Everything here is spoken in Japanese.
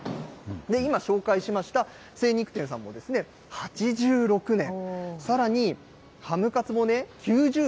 今、紹介しました精肉店さんも、８６年、さらにハムカツもね、９０円。